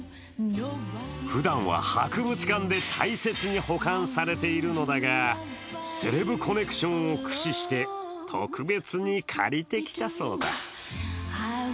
ふだんは博物館で大切に保管されているのだが、セレブコネクションを駆使して、特別に借りてきたそうだ。